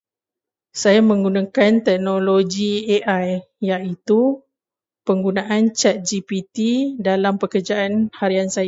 Saya menggunakan teknologi AI, iaitu penggunaan ChatGPT dalam pekerjaan harian saya.